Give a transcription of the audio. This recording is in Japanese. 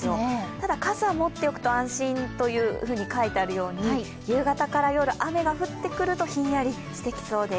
ただ、傘を持っておくと安心と書いてあるように、夕方から夜、雨が降ってくるとひんやりしてきそうです。